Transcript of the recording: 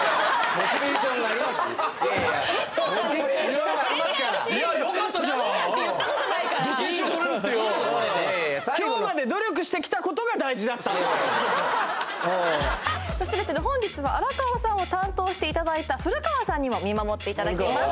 モチベーションがありますからそして本日は荒川さんを担当していただいた古川さんにも見守っていただきます